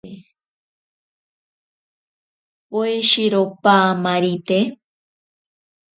Poeshiro paamarite.